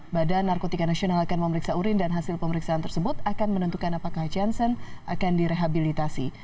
badan narkotika nasional akan memeriksa urin dan hasil pemeriksaan tersebut akan menentukan apakah johnson akan direhabilitasi